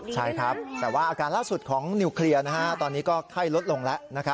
ใช่ครับแต่ว่าอาการล่าสุดของนิวเคลียร์ตอนนี้ก็ไข้ลดลงแล้ว